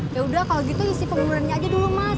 ya udah kalo gitu isi penggunaannya aja dulu mas